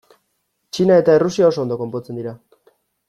Txina eta Errusia oso ondo konpontzen dira.